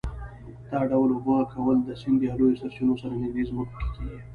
دا ډول اوبه کول د سیند یا لویو سرچینو سره نږدې ځمکو کې کېږي.